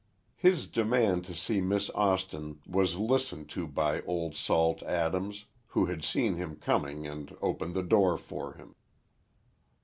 His demand to see Miss Austin was listened to by Old Salt Adams, who had seen him coming and opened the door for him.